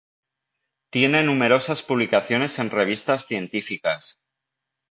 Tiene numerosas publicaciones en revistas científicas.